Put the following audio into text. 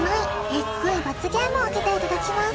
エグい罰ゲームを受けていただきます